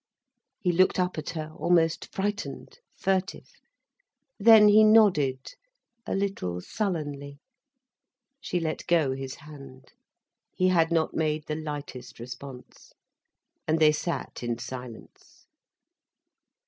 He looked up at her almost frightened, furtive. Then he nodded, a little sullenly. She let go his hand: he had made not the lightest response. And they sat in silence.